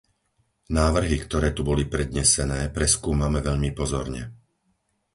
Návrhy, ktoré tu boli prednesené, preskúmame veľmi pozorne.